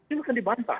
ini akan dibantah